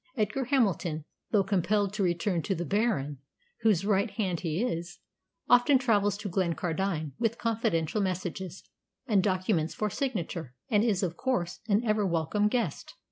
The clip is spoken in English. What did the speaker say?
Edgar Hamilton, though compelled to return to the Baron, whose right hand he is, often travels to Glencardine with confidential messages, and documents for signature, and is, of course, an ever welcome guest.